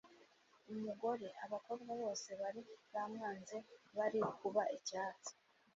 umugore. abakobwa bose bari bamwanze bari kuba icyatsi